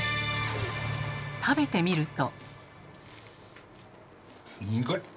食べてみると。